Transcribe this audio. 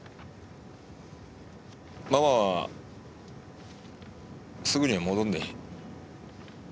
ママはすぐには戻んねえ。